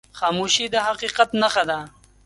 خاموشي، د حقیقت نښه ده.